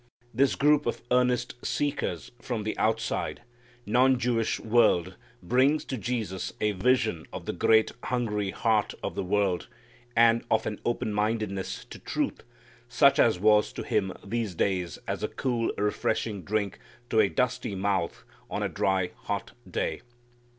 This group of earnest seekers, from the outside, non Jewish world brings to Jesus a vision of the great hungry heart of the world, and of an open mindedness to truth such as was to Him these days as a cool, refreshing drink to a dusty mouth on a dry hot day.